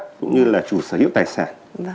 cũng như là chủ sở hữu tài sản